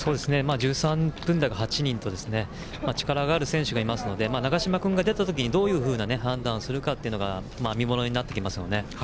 １３分台が８人と力のある選手がいますから長嶋君が出た時にどういうふうな判断をするかが見ものになってきますね。